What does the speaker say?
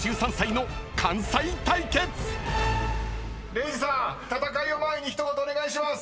［礼二さん戦いを前に一言お願いします］